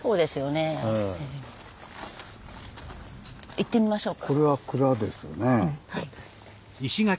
行ってみましょうか。